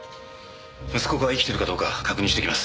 息子が生きてるかどうか確認してきます。